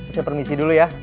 saya permisi dulu ya